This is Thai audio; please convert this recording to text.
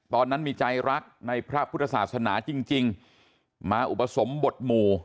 ตอนนั้นมีใจรักในพระพุทธศาสนาจริงมาอุปสมบทหมู่